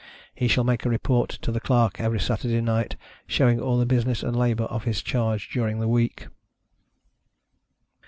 He shall make a report to the Clerk every Saturday night, showing all the business and labor of his charge during the week.